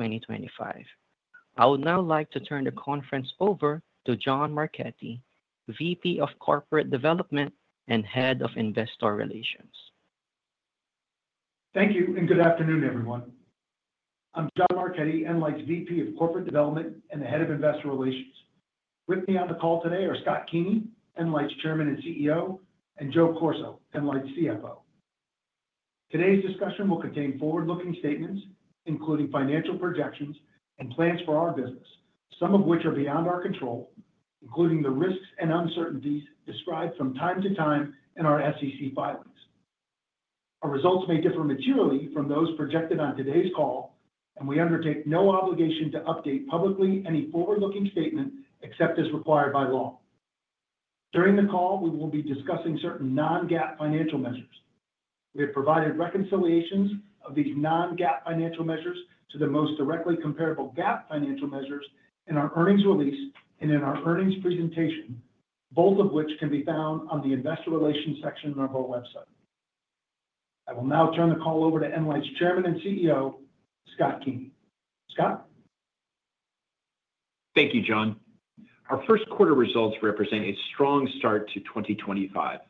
2025. I would now like to turn the conference over to John Marchetti, VP of Corporate Development and Head of Investor Relations. Thank you, and good afternoon, everyone. I'm John Marchetti, nLIGHT's VP of Corporate Development and the Head of Investor Relations. With me on the call today are Scott Keeney, nLIGHT's Chairman and CEO, and Joe Corso, nLIGHT's CFO. Today's discussion will contain forward-looking statements, including financial projections and plans for our business, some of which are beyond our control, including the risks and uncertainties described from time to time in our SEC filings. Our results may differ materially from those projected on today's call, and we undertake no obligation to update publicly any forward-looking statement except as required by law. During the call, we will be discussing certain non-GAAP financial measures. We have provided reconciliations of these non-GAAP financial measures to the most directly comparable GAAP financial measures in our earnings release and in our earnings presentation, both of which can be found on the Investor Relations section of our website. I will now turn the call over to nLIGHT's Chairman and CEO, Scott Keeney. Scott? Thank you, John. Our first quarter results represent a strong start to 2025,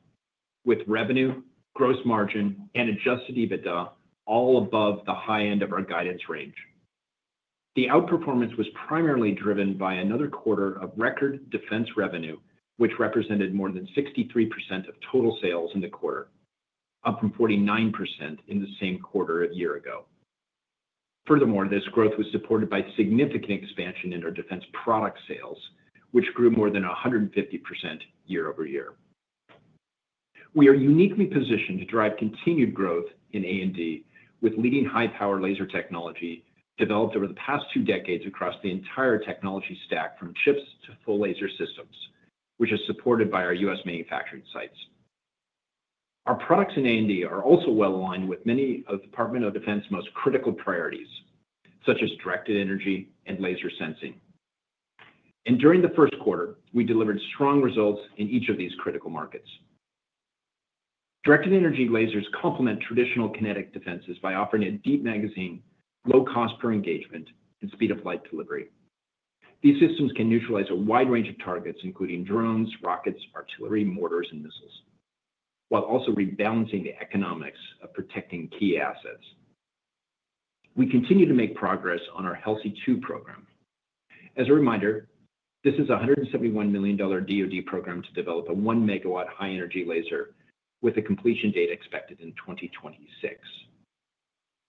with revenue, gross margin, and adjusted EBITDA all above the high end of our guidance range. The outperformance was primarily driven by another quarter of record defense revenue, which represented more than 63% of total sales in the quarter, up from 49% in the same quarter a year ago. Furthermore, this growth was supported by significant expansion in our defense product sales, which grew more than 150% year over year. We are uniquely positioned to drive continued growth in A&D, with leading high-power laser technology developed over the past two decades across the entire technology stack from chips to full laser systems, which is supported by our U.S. manufacturing sites. Our products in A&D are also well aligned with many of the Department of Defense's most critical priorities, such as directed energy and laser sensing. During the first quarter, we delivered strong results in each of these critical markets. Directed energy lasers complement traditional kinetic defenses by offering a deep magazine, low cost per engagement, and speed of light delivery. These systems can neutralize a wide range of targets, including drones, rockets, artillery, mortars, and missiles, while also rebalancing the economics of protecting key assets. We continue to make progress on our HELSI-2 program. As a reminder, this is a $171 million DOD program to develop a 1 MW high-energy laser, with a completion date expected in 2026.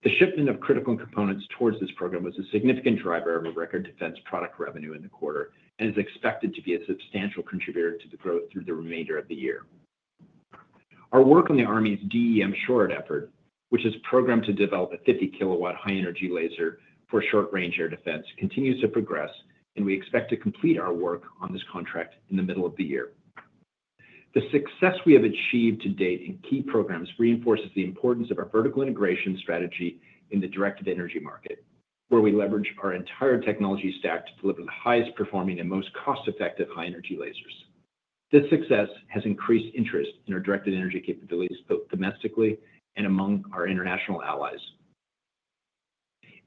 The shipment of critical components towards this program was a significant driver of our record defense product revenue in the quarter and is expected to be a substantial contributor to the growth through the remainder of the year. Our work on the Army's DE M-SHORAD effort, which is programmed to develop a 50 kW high-energy laser for short-range air defense, continues to progress, and we expect to complete our work on this contract in the middle of the year. The success we have achieved to date in key programs reinforces the importance of our vertical integration strategy in the directed energy market, where we leverage our entire technology stack to deliver the highest performing and most cost-effective high-energy lasers. This success has increased interest in our directed energy capabilities both domestically and among our international allies.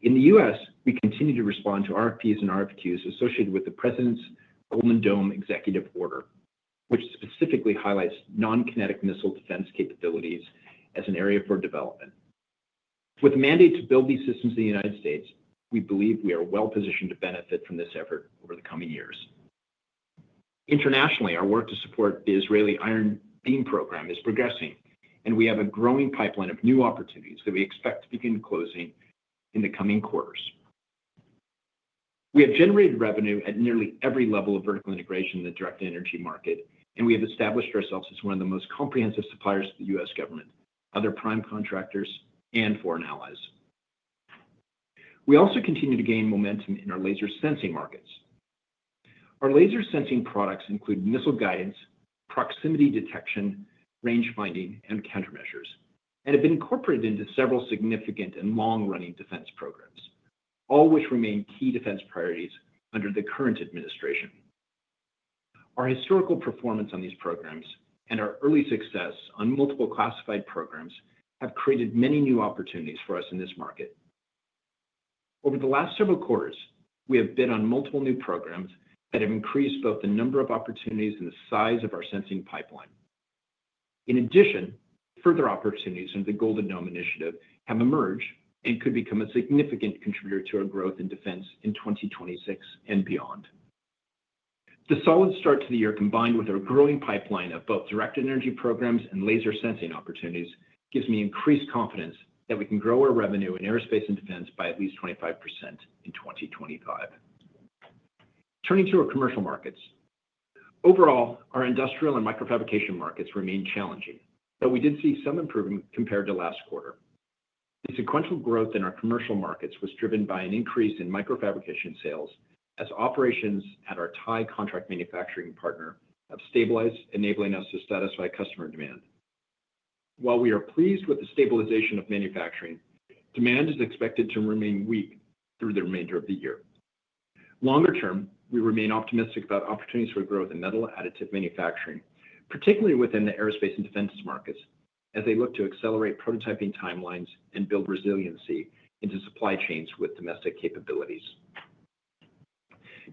In the U.S., we continue to respond to RFPs and RFQs associated with the President's Golden Dome Executive Order, which specifically highlights non-kinetic missile defense capabilities as an area for development. With a mandate to build these systems in the United States, we believe we are well positioned to benefit from this effort over the coming years. Internationally, our work to support the Israeli Iron Beam program is progressing, and we have a growing pipeline of new opportunities that we expect to begin closing in the coming quarters. We have generated revenue at nearly every level of vertical integration in the directed energy market, and we have established ourselves as one of the most comprehensive suppliers to the U.S. government, other prime contractors, and foreign allies. We also continue to gain momentum in our laser sensing markets. Our laser sensing products include missile guidance, proximity detection, range finding, and countermeasures, and have been incorporated into several significant and long-running defense programs, all of which remain key defense priorities under the current administration. Our historical performance on these programs and our early success on multiple classified programs have created many new opportunities for us in this market. Over the last several quarters, we have bid on multiple new programs that have increased both the number of opportunities and the size of our sensing pipeline. In addition, further opportunities under the Golden Dome Initiative have emerged and could become a significant contributor to our growth in defense in 2026 and beyond. The solid start to the year, combined with our growing pipeline of both directed energy programs and laser sensing opportunities, gives me increased confidence that we can grow our revenue in aerospace and defense by at least 25% in 2025. Turning to our commercial markets, overall, our industrial and microfabrication markets remain challenging, though we did see some improvement compared to last quarter. The sequential growth in our commercial markets was driven by an increase in microfabrication sales as operations at our Thai contract manufacturing partner have stabilized, enabling us to satisfy customer demand. While we are pleased with the stabilization of manufacturing, demand is expected to remain weak through the remainder of the year. Longer term, we remain optimistic about opportunities for growth in metal additive manufacturing, particularly within the aerospace and defense markets, as they look to accelerate prototyping timelines and build resiliency into supply chains with domestic capabilities.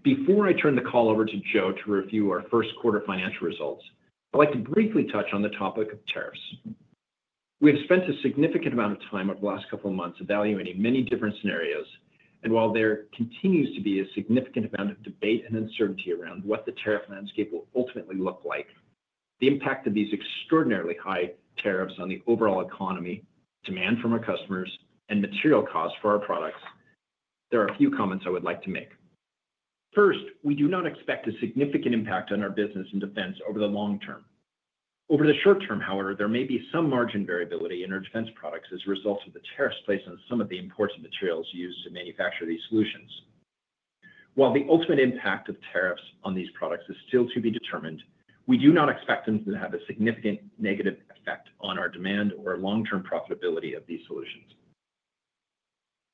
Before I turn the call over to Joe to review our first quarter financial results, I'd like to briefly touch on the topic of tariffs. We have spent a significant amount of time over the last couple of months evaluating many different scenarios, and while there continues to be a significant amount of debate and uncertainty around what the tariff landscape will ultimately look like, the impact of these extraordinarily high tariffs on the overall economy, demand from our customers, and material costs for our products, there are a few comments I would like to make. First, we do not expect a significant impact on our business in defense over the long term. Over the short term, however, there may be some margin variability in our defense products as a result of the tariffs placed on some of the important materials used to manufacture these solutions. While the ultimate impact of tariffs on these products is still to be determined, we do not expect them to have a significant negative effect on our demand or long-term profitability of these solutions.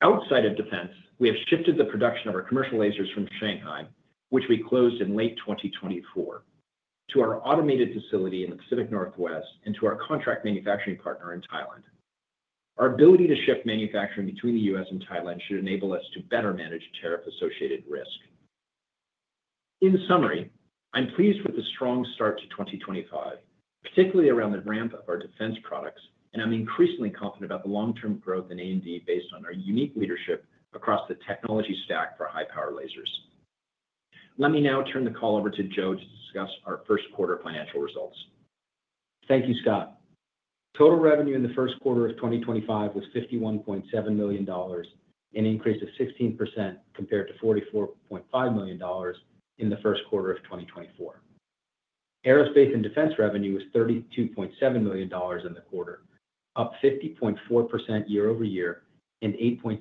Outside of defense, we have shifted the production of our commercial lasers from Shanghai, which we closed in late 2024, to our automated facility in the Pacific Northwest and to our contract manufacturing partner in Thailand. Our ability to shift manufacturing between the U.S. and Thailand should enable us to better manage tariff-associated risk. In summary, I'm pleased with the strong start to 2025, particularly around the ramp of our defense products, and I'm increasingly confident about the long-term growth in A&D based on our unique leadership across the technology stack for high-power lasers. Let me now turn the call over to Joe to discuss our first quarter financial results. Thank you, Scott. Total revenue in the first quarter of 2025 was $51.7 million, an increase of 16% compared to $44.5 million in the first quarter of 2024. Aerospace and defense revenue was $32.7 million in the quarter, up 50.4% year over year and 8.6%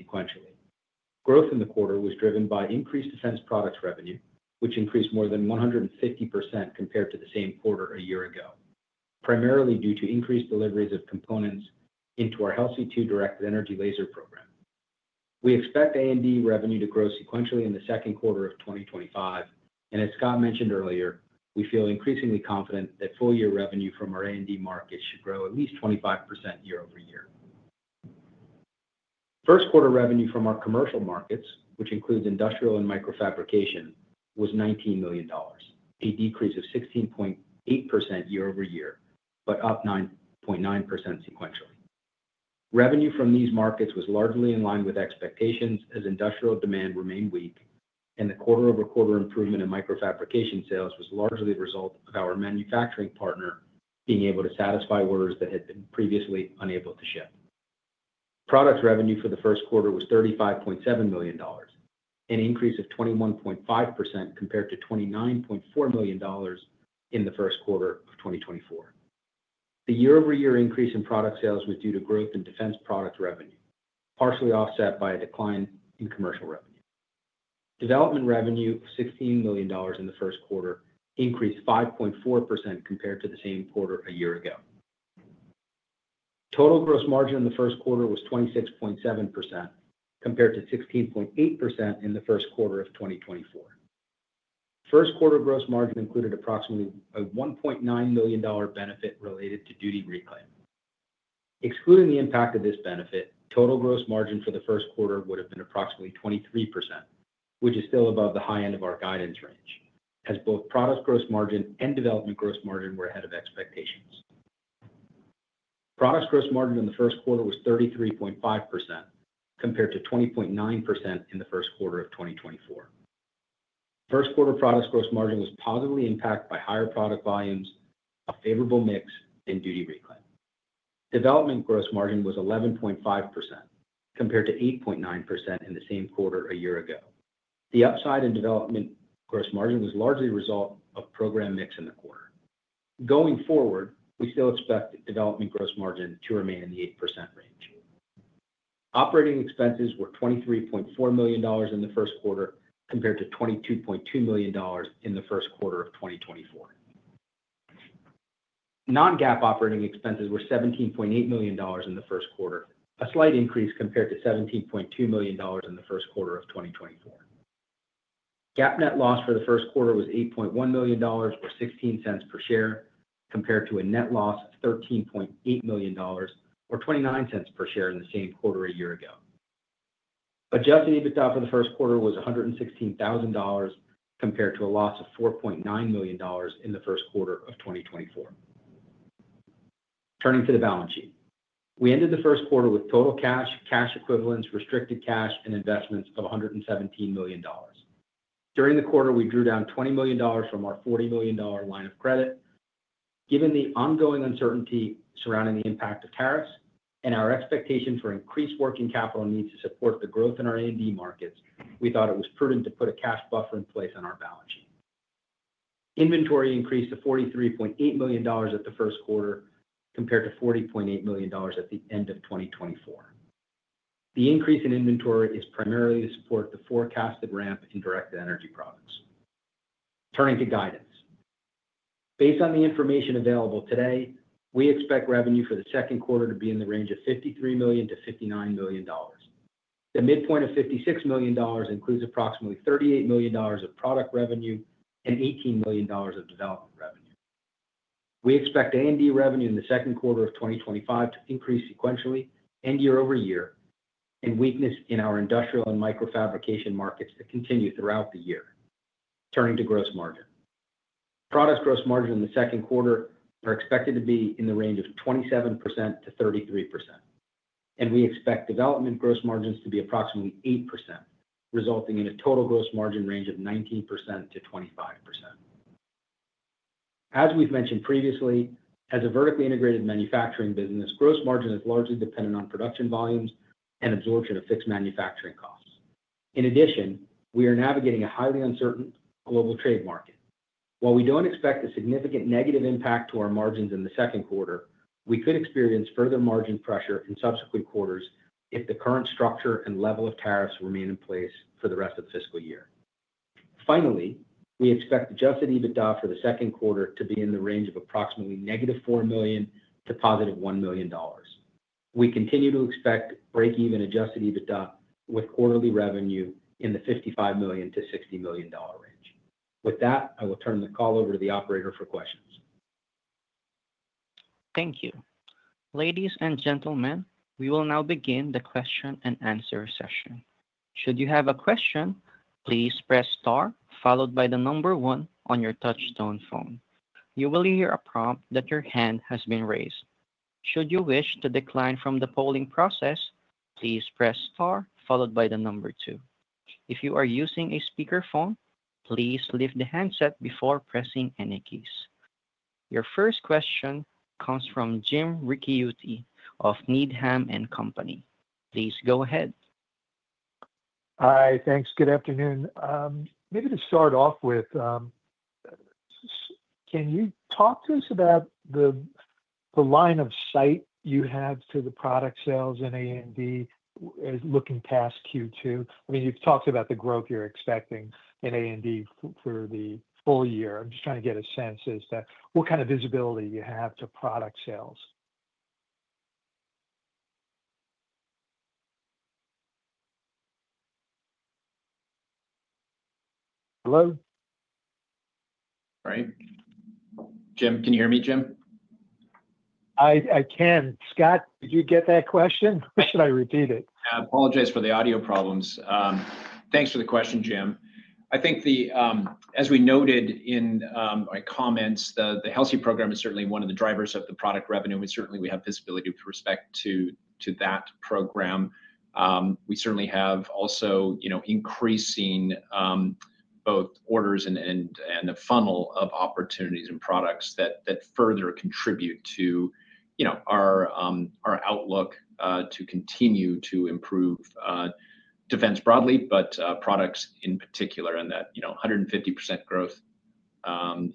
sequentially. Growth in the quarter was driven by increased defense products revenue, which increased more than 150% compared to the same quarter a year ago, primarily due to increased deliveries of components into our HELSI-2 directed energy laser program. We expect A&D revenue to grow sequentially in the second quarter of 2025, and as Scott mentioned earlier, we feel increasingly confident that full-year revenue from our A&D markets should grow at least 25% year over year. First quarter revenue from our commercial markets, which includes industrial and microfabrication, was $19 million, a decrease of 16.8% year-over-year, but up 9.9% sequentially. Revenue from these markets was largely in line with expectations as industrial demand remained weak, and the quarter-over-quarter improvement in microfabrication sales was largely a result of our manufacturing partner being able to satisfy orders that had been previously unable to ship. Product revenue for the first quarter was $35.7 million, an increase of 21.5% compared to $29.4 million in the first quarter of 2024. The year-over-year increase in product sales was due to growth in defense product revenue, partially offset by a decline in commercial revenue. Development revenue of $16 million in the first quarter increased 5.4% compared to the same quarter a year ago. Total gross margin in the first quarter was 26.7% compared to 16.8% in the first quarter of 2024. First quarter gross margin included approximately a $1.9 million benefit related to duty reclaim. Excluding the impact of this benefit, total gross margin for the first quarter would have been approximately 23%, which is still above the high end of our guidance range, as both product gross margin and development gross margin were ahead of expectations. Product gross margin in the first quarter was 33.5% compared to 20.9% in the first quarter of 2024. First quarter product gross margin was positively impacted by higher product volumes, a favorable mix, and duty reclaim. Development gross margin was 11.5% compared to 8.9% in the same quarter a year ago. The upside in development gross margin was largely a result of program mix in the quarter. Going forward, we still expect development gross margin to remain in the 8% range. Operating expenses were $23.4 million in the first quarter compared to $22.2 million in the first quarter of 2024. Non-GAAP operating expenses were $17.8 million in the first quarter, a slight increase compared to $17.2 million in the first quarter of 2024. GAAP net loss for the first quarter was $8.1 million, or $0.16 per share, compared to a net loss of $13.8 million, or $0.29 per share in the same quarter a year ago. Adjusted EBITDA for the first quarter was $116,000 compared to a loss of $4.9 million in the first quarter of 2024. Turning to the balance sheet, we ended the first quarter with total cash, cash equivalents, restricted cash, and investments of $117 million. During the quarter, we drew down $20 million from our $40 million line of credit. Given the ongoing uncertainty surrounding the impact of tariffs and our expectation for increased working capital needs to support the growth in our A&D markets, we thought it was prudent to put a cash buffer in place on our balance sheet. Inventory increased to $43.8 million at the first quarter compared to $40.8 million at the end of 2024. The increase in inventory is primarily to support the forecasted ramp in directed energy products. Turning to guidance, based on the information available today, we expect revenue for the second quarter to be in the range of $53 million-$59 million. The midpoint of $56 million includes approximately $38 million of product revenue and $18 million of development revenue. We expect A&D revenue in the second quarter of 2025 to increase sequentially and year over year, and weakness in our industrial and microfabrication markets to continue throughout the year. Turning to gross margin, product gross margin in the second quarter is expected to be in the range of 27%-33%, and we expect development gross margins to be approximately 8%, resulting in a total gross margin range of 19%-25%. As we've mentioned previously, as a vertically integrated manufacturing business, gross margin is largely dependent on production volumes and absorption of fixed manufacturing costs. In addition, we are navigating a highly uncertain global trade market. While we do not expect a significant negative impact to our margins in the second quarter, we could experience further margin pressure in subsequent quarters if the current structure and level of tariffs remain in place for the rest of the fiscal year. Finally, we expect adjusted EBITDA for the second quarter to be in the range of approximately -$4 million to + $1 million. We continue to expect break-even adjusted EBITDA with quarterly revenue in the $55 million-$60 million range. With that, I will turn the call over to the operator for questions. Thank you. Ladies and gentlemen, we will now begin the question and answer session. Should you have a question, please press star followed by the number one on your touch-tone phone. You will hear a prompt that your hand has been raised. Should you wish to decline from the polling process, please press star followed by the number two. If you are using a speakerphone, please lift the handset before pressing any keys. Your first question comes from Jim Ricchiuti of Needham & Company. Please go ahead. Hi, thanks. Good afternoon. Maybe to start off with, can you talk to us about the line of sight you have to the product sales in A&D looking past Q2? I mean, you've talked about the growth you're expecting in A&D for the full year. I'm just trying to get a sense as to what kind of visibility you have to product sales. Hello? All right. Jim, can you hear me, Jim? I can. Scott, did you get that question? Should I repeat it? I apologize for the audio problems. Thanks for the question, Jim. I think, as we noted in our comments, the Healthy program is certainly one of the drivers of the product revenue. Certainly, we have visibility with respect to that program. We certainly have also increasing both orders and a funnel of opportunities and products that further contribute to our outlook to continue to improve defense broadly, but products in particular. And that 150% growth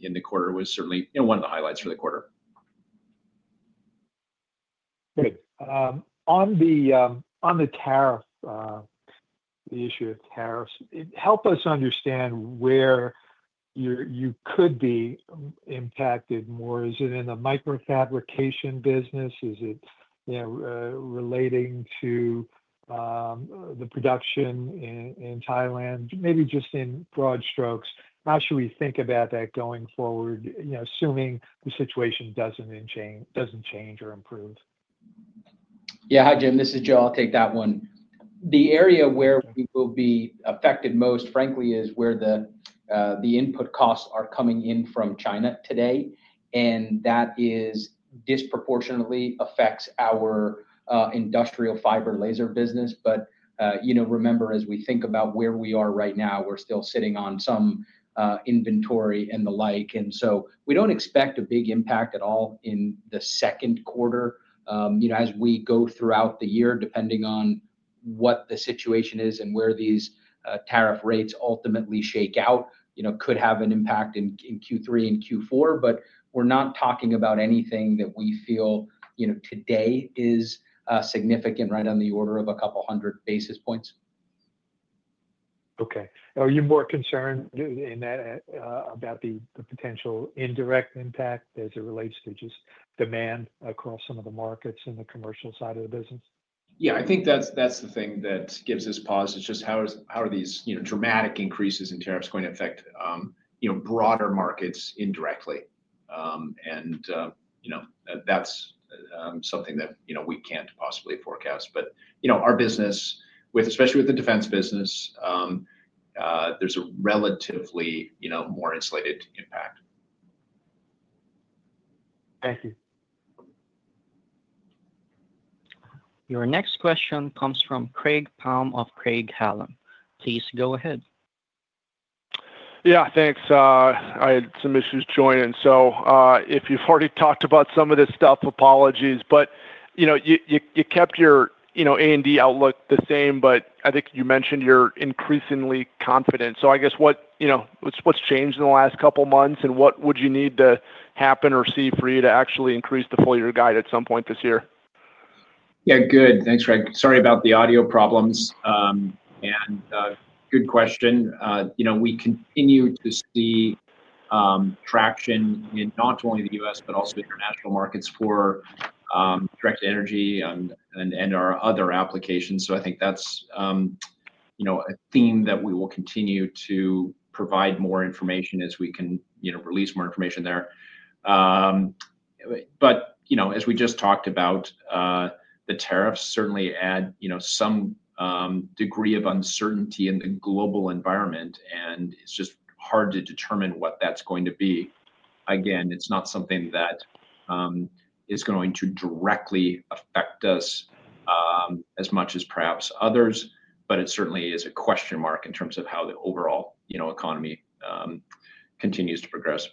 in the quarter was certainly one of the highlights for the quarter. Good. On the tariff, the issue of tariffs, help us understand where you could be impacted more. Is it in the microfabrication business? Is it relating to the production in Thailand? Maybe just in broad strokes, how should we think about that going forward, assuming the situation does not change or improve? Yeah. Hi, Jim. This is Joe. I'll take that one. The area where we will be affected most, frankly, is where the input costs are coming in from China today, and that disproportionately affects our industrial fiber laser business. But remember, as we think about where we are right now, we're still sitting on some inventory and the like. We do not expect a big impact at all in the second quarter. As we go throughout the year, depending on what the situation is and where these tariff rates ultimately shake out, it could have an impact in Q3 and Q4. We are not talking about anything that we feel today is significant, right on the order of a couple hundred basis points. Okay. Are you more concerned about the potential indirect impact as it relates to just demand across some of the markets in the commercial side of the business? Yeah. I think that is the thing that gives us pause. It is just how are these dramatic increases in tariffs going to affect broader markets indirectly? That is something that we cannot possibly forecast. Our business, especially with the defense business, has a relatively more insulated impact. Thank you. Your next question comes from Greg Palm of Craig-Hallum. Please go ahead. Yeah. Thanks. I had some issues joining. If you've already talked about some of this stuff, apologies. You kept your A&D outlook the same, but I think you mentioned you're increasingly confident. I guess what's changed in the last couple months, and what would you need to happen or see for you to actually increase the full-year guide at some point this year? Yeah. Good. Thanks, Craig. Sorry about the audio problems. Good question. We continue to see traction in not only the U.S., but also international markets for directed energy and our other applications. I think that's a theme that we will continue to provide more information as we can release more information there. As we just talked about, the tariffs certainly add some degree of uncertainty in the global environment, and it's just hard to determine what that's going to be. Again, it's not something that is going to directly affect us as much as perhaps others, but it certainly is a question mark in terms of how the overall economy continues to progress.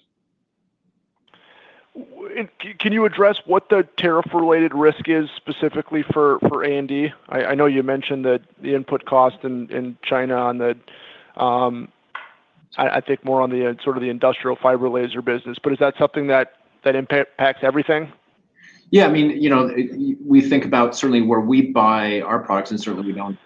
Can you address what the tariff-related risk is specifically for A&D? I know you mentioned the input cost in China on the, I think, more on the sort of the industrial fiber laser business, but is that something that impacts everything? Yeah. I mean, we think about certainly where we buy our products, and certainly we don't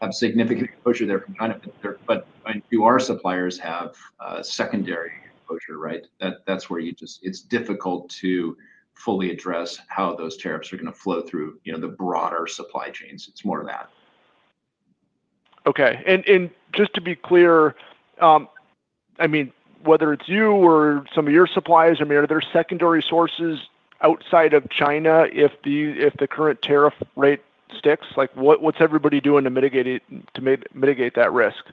have significant exposure there from China. But I know your suppliers have secondary exposure, right? That's where it's difficult to fully address how those tariffs are going to flow through the broader supply chains. It's more of that. Okay. And just to be clear, I mean, whether it's you or some of your suppliers, I mean, are there secondary sources outside of China if the current tariff rate sticks? What's everybody doing to mitigate that risk?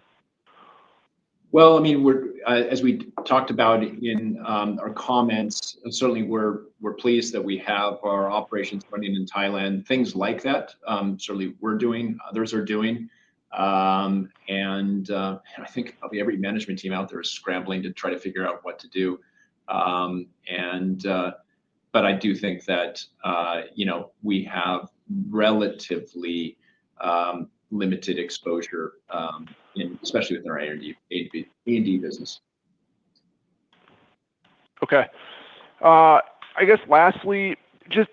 I mean, as we talked about in our comments, certainly we're pleased that we have our operations running in Thailand. Things like that, certainly we're doing, others are doing. I think probably every management team out there is scrambling to try to figure out what to do. I do think that we have relatively limited exposure, especially with our A&D business. Okay. I guess lastly,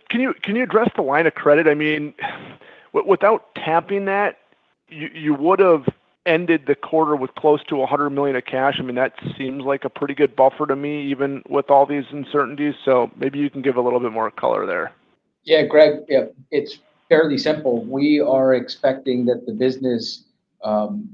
can you address the line of credit? I mean, without tapping that, you would have ended the quarter with close to $100 million of cash. I mean, that seems like a pretty good buffer to me, even with all these uncertainties. Maybe you can give a little bit more color there. Yeah, Greg, it's fairly simple. We are expecting that the business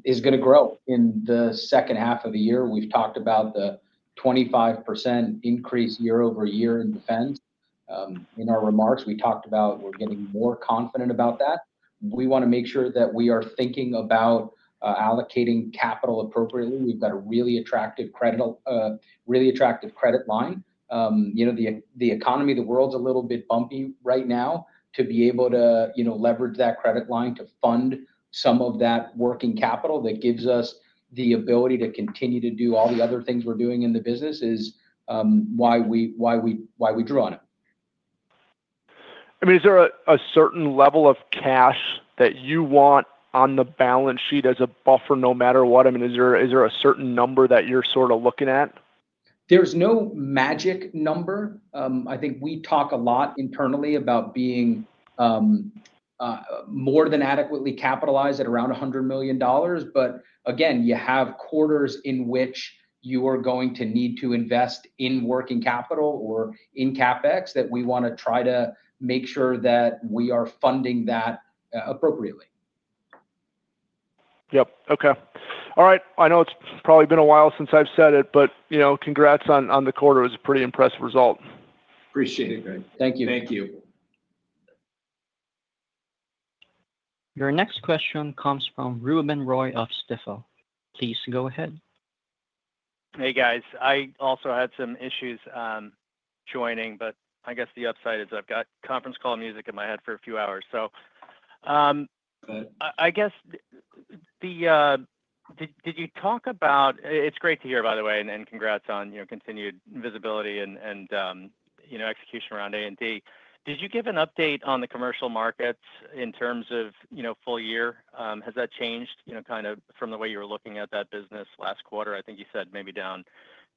is going to grow in the second half of the year. We've talked about the 25% increase year-over-year in defense. In our remarks, we talked about we're getting more confident about that. We want to make sure that we are thinking about allocating capital appropriately. We've got a really attractive credit line. The economy of the world is a little bit bumpy right now. To be able to leverage that credit line to fund some of that working capital that gives us the ability to continue to do all the other things we're doing in the business is why we drew on it. I mean, is there a certain level of cash that you want on the balance sheet as a buffer no matter what? I mean, is there a certain number that you're sort of looking at? There's no magic number. I think we talk a lot internally about being more than adequately capitalized at around $100 million. But again, you have quarters in which you are going to need to invest in working capital or in CapEx that we want to try to make sure that we are funding that appropriately. Yep. Okay. All right. I know it's probably been a while since I've said it, but congrats on the quarter. It was a pretty impressive result. Appreciate it, Greg. Thank you. Thank you. Your next question comes from Ruben Roy of Stifel. Please go ahead. Hey, guys. I also had some issues joining, but I guess the upside is I've got conference call music in my head for a few hours. I guess did you talk about it's great to hear, by the way, and congrats on continued visibility and execution around A&D. Did you give an update on the commercial markets in terms of full year? Has that changed kind of from the way you were looking at that business last quarter? I think you said maybe down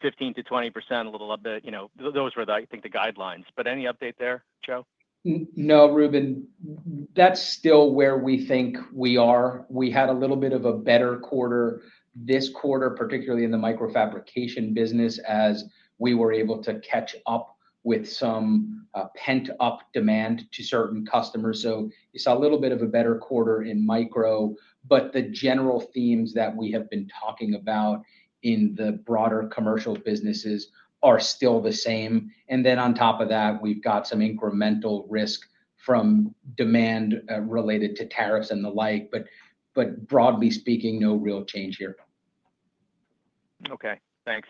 15%-20%, a little up. Those were, I think, the guidelines. Any update there, Joe? No, Reuben. That's still where we think we are. We had a little bit of a better quarter this quarter, particularly in the microfabrication business, as we were able to catch up with some pent-up demand to certain customers. You saw a little bit of a better quarter in micro. The general themes that we have been talking about in the broader commercial businesses are still the same. On top of that, we've got some incremental risk from demand related to tariffs and the like. Broadly speaking, no real change here. Okay. Thanks.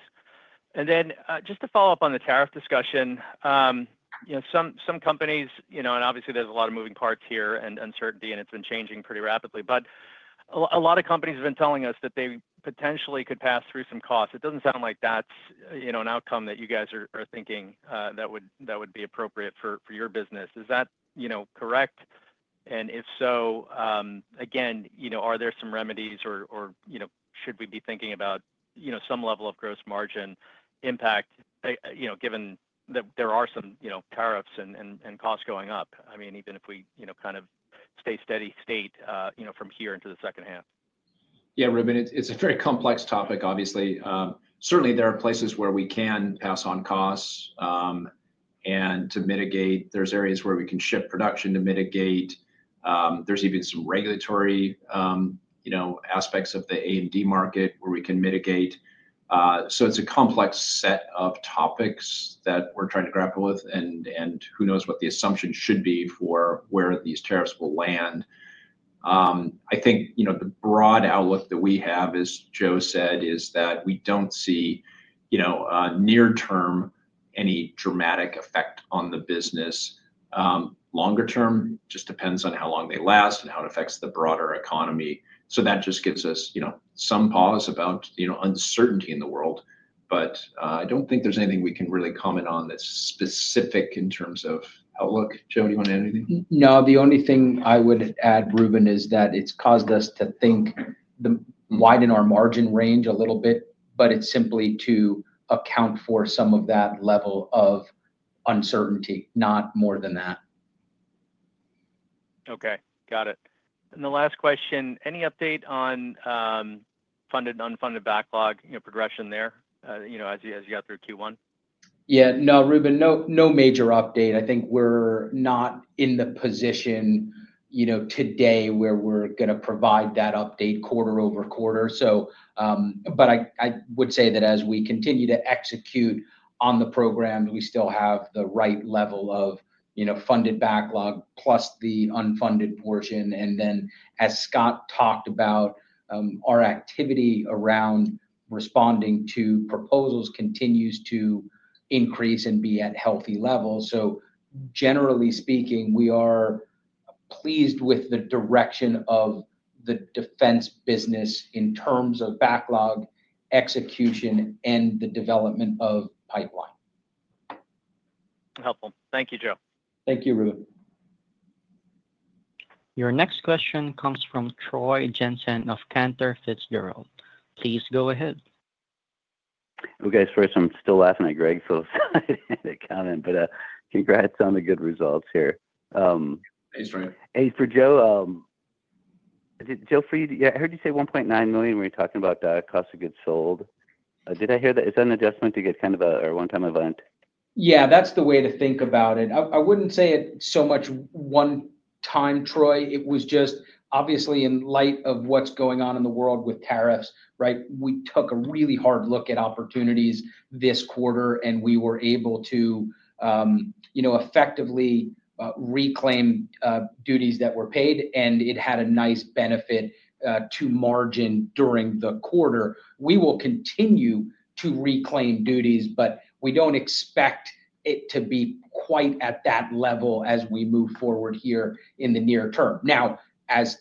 Just to follow up on the tariff discussion, some companies—and obviously, there's a lot of moving parts here and uncertainty, and it's been changing pretty rapidly—a lot of companies have been telling us that they potentially could pass through some costs. It does not sound like that is an outcome that you guys are thinking that would be appropriate for your business. Is that correct? If so, again, are there some remedies, or should we be thinking about some level of gross margin impact given that there are some tariffs and costs going up? I mean, even if we kind of stay steady state from here into the second half. Yeah, Reuben, it is a very complex topic, obviously. Certainly, there are places where we can pass on costs to mitigate. There are areas where we can shift production to mitigate. There are even some regulatory aspects of the A&D market where we can mitigate. It is a complex set of topics that we are trying to grapple with, and who knows what the assumption should be for where these tariffs will land. I think the broad outlook that we have, as Joe said, is that we do not see near-term any dramatic effect on the business. Longer-term just depends on how long they last and how it affects the broader economy. That just gives us some pause about uncertainty in the world. I do not think there is anything we can really comment on that is specific in terms of outlook. Joe, do you want to add anything? No. The only thing I would add, Reuben, is that it has caused us to think, widen our margin range a little bit, but it is simply to account for some of that level of uncertainty, not more than that. Okay. Got it. The last question, any update on funded and unfunded backlog progression there as you got through Q1? Yeah. No, Reuben, no major update. I think we're not in the position today where we're going to provide that update quarter over quarter. But I would say that as we continue to execute on the program, we still have the right level of funded backlog plus the unfunded portion. And then as Scott talked about, our activity around responding to proposals continues to increase and be at healthy levels. Generally speaking, we are pleased with the direction of the defense business in terms of backlog execution and the development of pipeline. Helpful. Thank you, Joe. Thank you, Reuben. Your next question comes from Troy Jensen of Cantor Fitzgerald. Please go ahead. Okay. Sorry. I'm still laughing at Greg for the comment, but congrats on the good results here. Thanks, Greg. Hey, for Joe, I heard you say $1.9 million when you're talking about cost of goods sold. Did I hear that? Is that an adjustment to get kind of a one-time event? Yeah. That's the way to think about it. I wouldn't say it's so much one time, Troy. It was just, obviously, in light of what's going on in the world with tariffs, right? We took a really hard look at opportunities this quarter, and we were able to effectively reclaim duties that were paid, and it had a nice benefit to margin during the quarter. We will continue to reclaim duties, but we don't expect it to be quite at that level as we move forward here in the near term. Now, as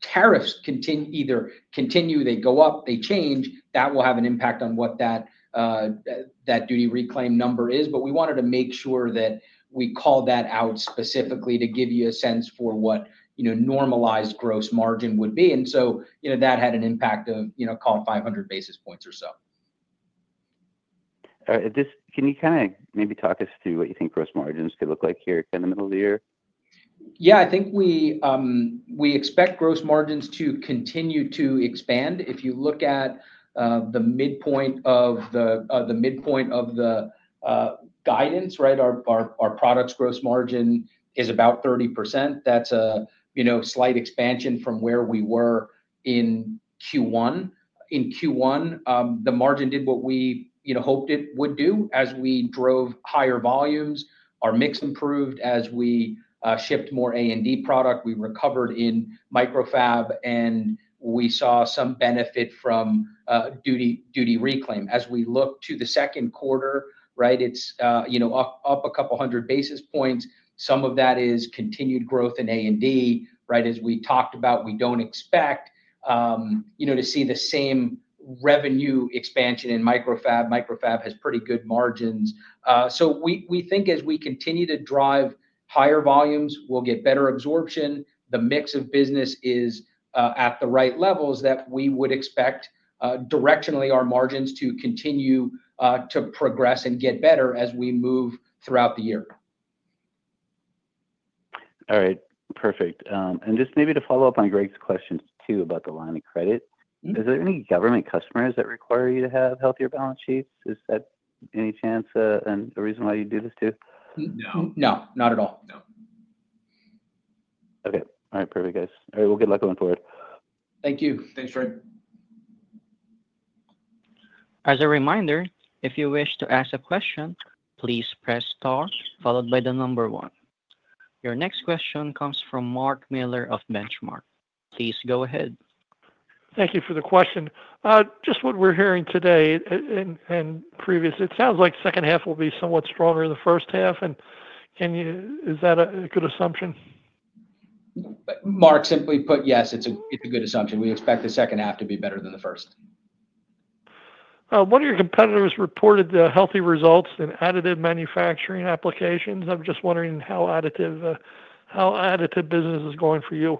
tariffs either continue, they go up, they change, that will have an impact on what that duty reclaim number is. We wanted to make sure that we call that out specifically to give you a sense for what normalized gross margin would be. That had an impact of call 500 basis points or so. Can you kind of maybe talk us through what you think gross margins could look like here in the middle of the year? Yeah. I think we expect gross margins to continue to expand. If you look at the midpoint of the guidance, right, our product's gross margin is about 30%. That is a slight expansion from where we were in Q1. In Q1, the margin did what we hoped it would do. As we drove higher volumes, our mix improved. As we shipped more A&D product, we recovered in microfab, and we saw some benefit from duty reclaim. As we look to the second quarter, right, it is up a couple hundred basis points. Some of that is continued growth in A&D, right? As we talked about, we do not expect to see the same revenue expansion in microfab. Microfab has pretty good margins. So we think as we continue to drive higher volumes, we'll get better absorption. The mix of business is at the right levels that we would expect directionally our margins to continue to progress and get better as we move throughout the year. All right. Perfect. And just maybe to follow up on Greg's questions too about the line of credit, is there any government customers that require you to have healthier balance sheets? Is that any chance and a reason why you do this too? No. No, not at all. No. Okay. All right. Perfect, guys. All right. Good luck going forward. Thank you. Thanks, Greg. As a reminder, if you wish to ask a question, please press star followed by the number one. Your next question comes from Mark Miller of Benchmark. Please go ahead. Thank you for the question. Just what we're hearing today and previous, it sounds like the second half will be somewhat stronger than the first half. Is that a good assumption? Mark, simply put, yes, it's a good assumption. We expect the second half to be better than the first. One of your competitors reported healthy results in additive manufacturing applications. I'm just wondering how additive business is going for you.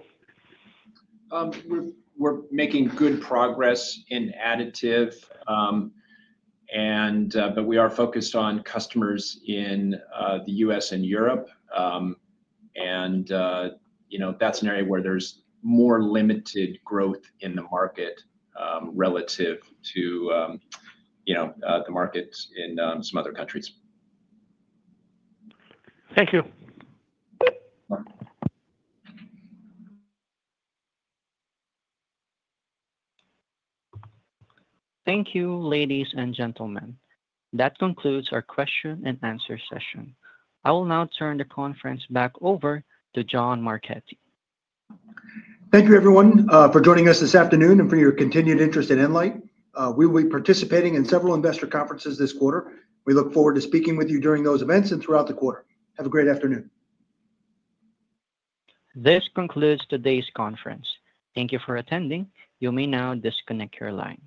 We're making good progress in additive, but we are focused on customers in the U.S. and Europe. That's an area where there's more limited growth in the market relative to the markets in some other countries. Thank you. Thank you, ladies and gentlemen. That concludes our question and answer session. I will now turn the conference back over to John Marchetti. Thank you, everyone, for joining us this afternoon and for your continued interest in nLIGHT.We will be participating in several investor conferences this quarter. We look forward to speaking with you during those events and throughout the quarter. Have a great afternoon. This concludes today's conference. Thank you for attending. You may now disconnect your line.